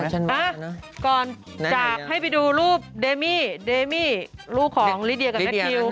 ก่อนจากให้ไปดูรูปเดมี่ลูกของลิเดียกับแน็ตคิว